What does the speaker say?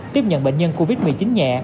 tiếp nhận bệnh nhân covid một mươi chín nhẹ